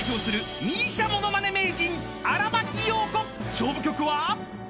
［勝負曲は］